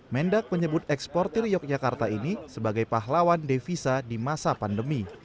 mendak menyebut eksportir yogyakarta ini sebagai pahlawan devisa di masa pandemi